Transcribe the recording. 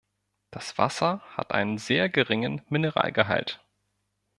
Das Wasser hat einen sehr geringen Mineralgehalt.